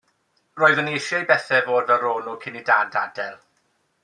Roeddwn i eisiau i bethau fod fel ro'n nhw cyn i Dad adael.